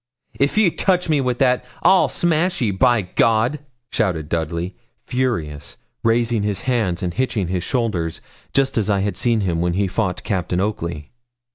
'If ye touch me wi' that, I'll smash ye, by !' shouted Dudley, furious, raising his hands and hitching his shoulder, just as I had seen him when he fought Captain Oakley.